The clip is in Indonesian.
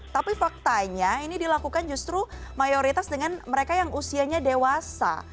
tapi faktanya ini dilakukan justru mayoritas dengan mereka yang usianya dewasa